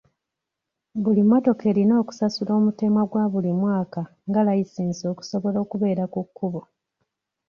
Buli mmotoka erina okusasula omutemwa gwa buli mwaka nga layisinsi okusobola okubeera ku kkubo.